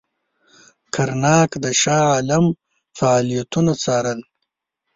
کرناک د شاه عالم فعالیتونه څارل.